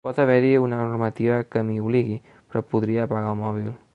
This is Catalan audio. Pot haver-hi una normativa que m’hi obligui, però podria apagar el mòbil.